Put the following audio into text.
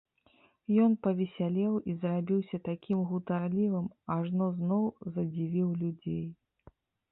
Ён павесялеў і зрабіўся такім гутарлівым, ажно зноў задзівіў людзей.